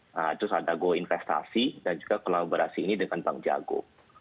terus ada goinvestasi dan juga kolaborasi ini dengan bank jago